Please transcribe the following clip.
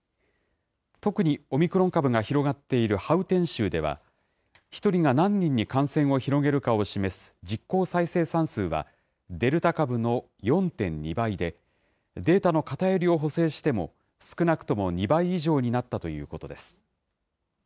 特にオミクロン株が広がっているハウテン州では、１人が何人に感染を広げるかを示す、実効再生産数は、デルタ株の４．２倍で、データの偏りを補正しても、少なくとも２倍以上になったということです。